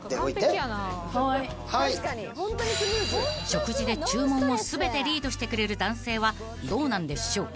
［食事で注文を全てリードしてくれる男性はどうなんでしょう？］